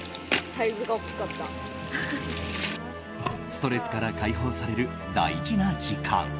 ストレスから解放される大事な時間。